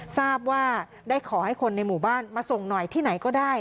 ทราบว่าได้ขอให้คนในหมู่บ้านมาส่งหน่อยที่ไหนก็ได้